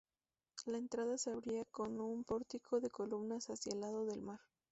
La entrada se abría con un pórtico de columnas hacia el lado del mar.